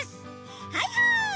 はいはい！